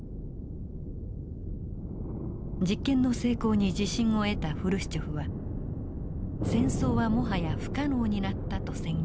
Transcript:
実験の成功に自信を得たフルシチョフは戦争はもはや不可能になったと宣言。